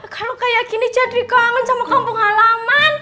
kalau kayak gini jadi kangen sama kampung halaman